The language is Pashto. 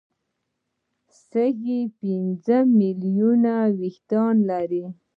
سږي پنځه سوه ملیونه وېښتان لري.